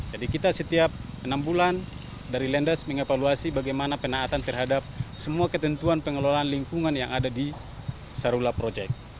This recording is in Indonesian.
jadi kita setiap enam bulan dari lenders mengevaluasi bagaimana penaatan terhadap semua ketentuan pengelolaan lingkungan yang ada di sarula project